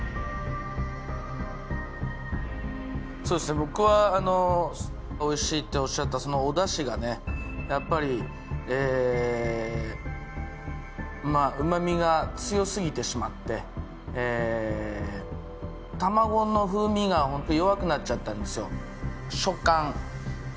僕はおいしいっておっしゃったそのおダシがねやっぱりうまみが強すぎてしまって卵の風味が本当弱くなっちゃったんですよ